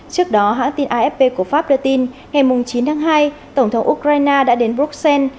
trước đó hãng tin afp của pháp đưa tin ngày chín tháng hai tổng thống ukraine đã đến bruxelles